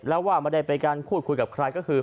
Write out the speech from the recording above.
แล้วว่าไม่ได้ไปการพูดคุยกับใครก็คือ